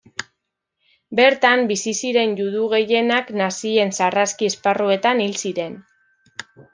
Bertan bizi ziren judu gehienak nazien sarraski-esparruetan hil ziren.